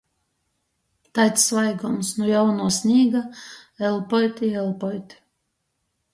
Taids svaigums nu jaunuo snīga. Elpuot i elpuot.